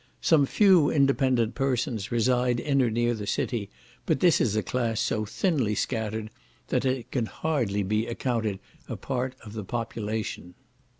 Some few independent persons reside in or near the city, but this is a class so thinly scattered that they can hardly be accounted a part of the population.